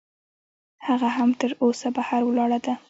هغه هم تراوسه بهر ولاړه ده.